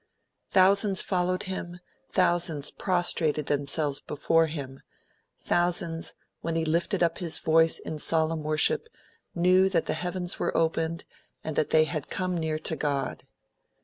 Thousands followed him, thousands prostrated themselves before him; thousands, when he lifted up his voice in solemn worship, knew that the heavens were opened and that they had come near to God.